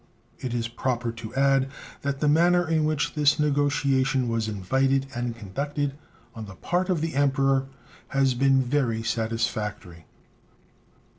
It is proper to add that the manner in which this negotiation was invited and conducted on the part of the Emperor has been very satisfactory.